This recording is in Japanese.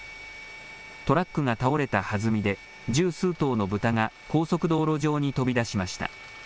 トラックが倒れたはずみで、十数頭の豚が高速道路上に飛び出しました。